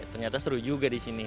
ternyata seru juga